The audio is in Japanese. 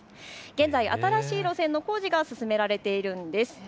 現在、新しい路線の工事が進められているんです。